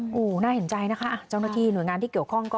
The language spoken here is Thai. โอ้โหน่าเห็นใจนะคะเจ้าหน้าที่หน่วยงานที่เกี่ยวข้องก็